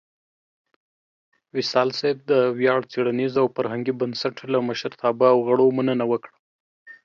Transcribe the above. وصال صېب د ویاړ څیړنیز او فرهنګي بنسټ لۀ مشرتابۀ او غړو مننه وکړه